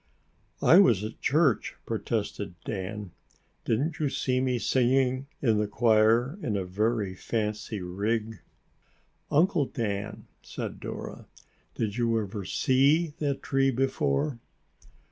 "I was at church," protested Dan. "Didn't you see me singing in the choir in a very fancy rig?" "Uncle Dan," said Dora, "did you ever see that tree before?"